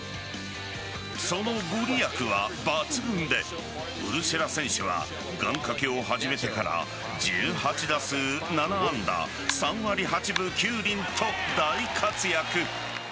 その御利益は抜群でウルシェラ選手は願掛けを始めてから１８打数７安打３割８分９厘と大活躍。